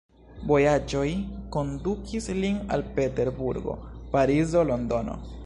Vojaĝoj kondukis lin al Peterburgo, Parizo, Londono.